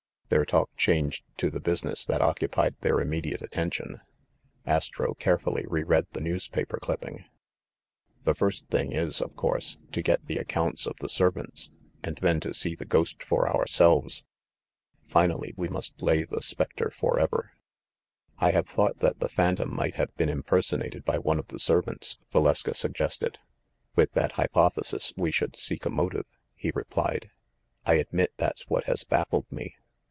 Their talk changed to the business that occupied their immediate attention. Astro carefully reread the newspaper clipping. "The first thing is, of course, to get the accounts 72 THE MASTER OF MYSTERIES of the servants, and then to see the ghost for ourselves. Finally, we must lay the specter forever." "I have thought that the phantom might have been impersonated by one of the servants," Valeska sug gested. "With that hypothesis we should seek a motive," he replied. "I admit that's what has baffled me."